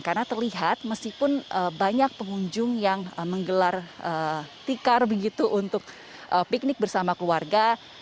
karena terlihat meskipun banyak pengunjung yang menggelar tikar begitu untuk piknik bersama keluarga